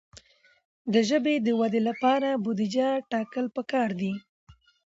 د ژبې د ودې لپاره بودیجه ټاکل پکار ده.